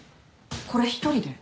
これ１人で？